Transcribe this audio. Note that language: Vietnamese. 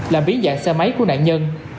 làm biến dạng xe máy của nạn nhân